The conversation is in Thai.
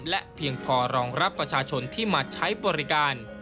และเพียงพอรองรับประชาชนที่มาใช้บริการ